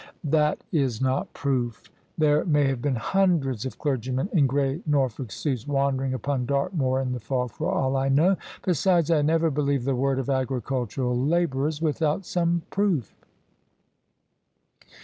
" That is not proof. There may have been hundreds of clergymen in grey Norfolk suits wandering upon Dartmoor in the fog, for all I know. Besides, I never believe the word of agricultural labourers without some proof."